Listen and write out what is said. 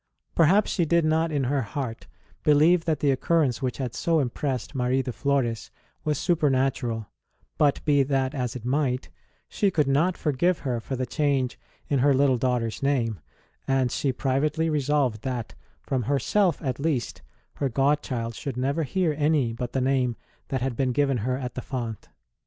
Perhaps she did not in her heart believe that the occurrence which had so impressed Marie de Florcs was supernatural ; but, be that as it might, she could not forgive her for the change in her little daughter s name ; and she privately resolved that, from herself at least, her god child should never hear any but the name that had been given her at the font.